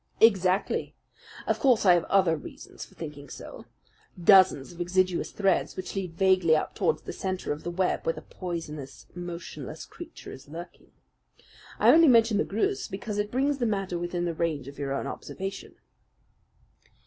"Exactly. Of course I have other reasons for thinking so dozens of exiguous threads which lead vaguely up towards the centre of the web where the poisonous, motionless creature is lurking. I only mention the Greuze because it brings the matter within the range of your own observation."